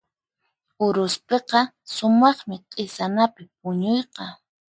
Uruspiqa sumaqmi q'isanapi puñuyqa.